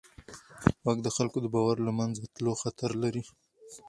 واک د خلکو د باور له منځه تلو خطر لري.